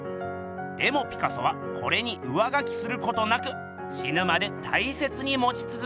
でもピカソはこれに上書きすることなくしぬまで大切にもちつづけたのです。